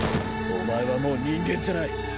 お前はもう人間じゃない。